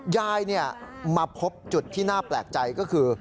ยายมาพบจุดที่น่าแปลกใจก็คือ